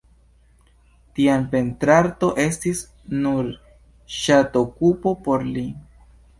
Tiam, pentrarto estis nur ŝatokupo por li.